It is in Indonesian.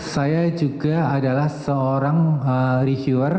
saya juga adalah seorang reviewer